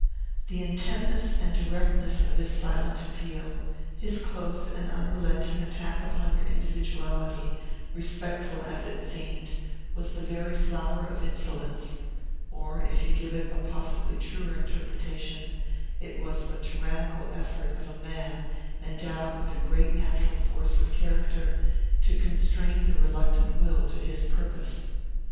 The intentness and directness of his silent appeal, his close and unrelenting attack upon your individuality, respectful as it seemed, was the very flower of insolence; or, if you give it a possibly truer interpretation, it was the tyrannical effort of a man endowed with great natural force of character to constrain your reluctant will to his purpose.